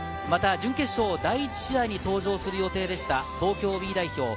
準決勝第１試合に登場する予定でした東京Ｂ代表